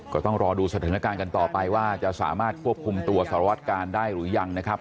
ก็ต้องรอดูสถานการณ์กันต่อไปว่าจะสามารถควบคุมตัวสารวัตกาลได้หรือยังนะครับ